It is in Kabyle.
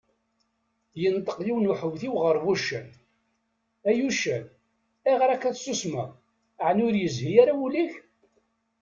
Yenṭeq yiwen uḥewtiw γer wuccen: Ay uccen, ayγer akka tessusmeḍ, εni ur yezhi ara wul-ik?